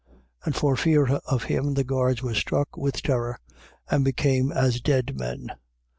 28:4. And for fear of him, the guards were struck with terror and became as dead men.